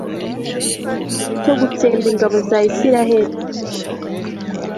cyo gutsemba ingabo za israheli